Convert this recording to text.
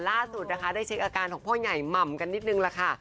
ล่าสุดนะคะได้เช็คอาการของพ่อใหญ่หม่ำกันนิดนึงล่ะค่ะ